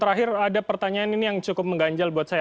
terakhir ada pertanyaan ini yang cukup mengganjal buat saya